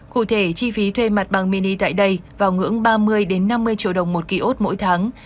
cụ thể chi phí thuê mặt bằng mini tại đây vào ngưỡng ba mươi năm mươi triệu đồng một ký ốt mỗi tháng